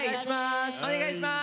お願いします！